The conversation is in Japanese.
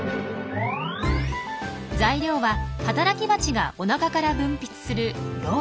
材料は働きバチがおなかから分泌する蝋。